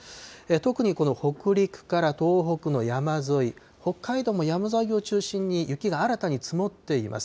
特にこの北陸から東北の山沿い、北海道も山沿いを中心に、雪が新たに積もっています。